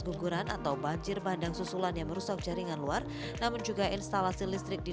guguran atau banjir bandang susulan yang merusak jaringan luar namun juga instalasi listrik di